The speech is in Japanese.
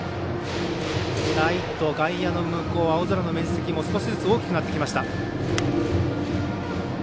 ライト、外野の向こう青空の面積も少しずつ大きくなってきました。